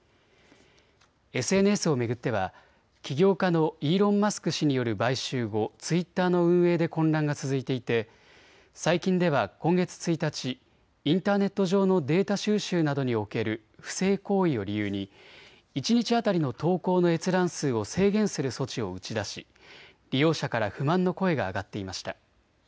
ＳＮＳを巡っては起業家のイーロン・マスク氏による買収後、ツイッターの運営で混乱が続いていて最近では今月１日、インターネット上のデータ収集などにおける不正行為を理由に一日当たりの投稿の閲覧数を制限する措置を打ち出し利用者から不満の声が上がっていました。